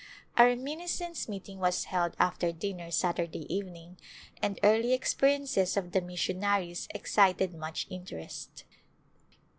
A reminiscence meeting was held after dinner Sat urday evening and early experiences of the missionaries excited much interest.